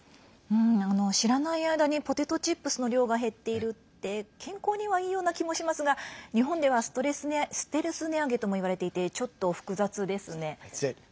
知らない間にポテトチップスの量が減っているって健康にはいいような気もしますが日本ではステルス値上げとも言われていてちょっと複雑ですね。